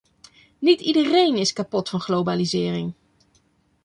Niet iedereen is kapot van globalisering.